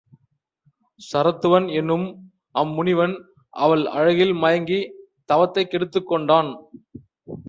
சரத்துவன் என்னும் அம்முனிவன் அவள் அழகில் மயங்கித தவத்தைக் கெடுத்துக் கொண்டான்.